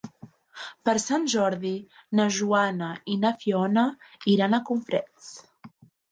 Per Sant Jordi na Joana i na Fiona iran a Cofrents.